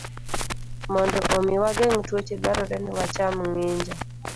Mondo omi wageng' tuoche, dwarore ni wacham ng'injo